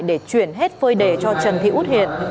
để chuyển hết phơi đề cho trần thị út hiền